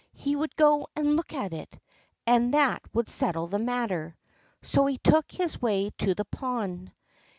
He would go and look at it, and that would settle the matter. So he took his way to the pond.